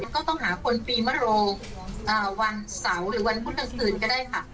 ก็ต้องหาคนปีมโรวันเสาร์หรือวันพุธกลางคืนก็ได้ค่ะ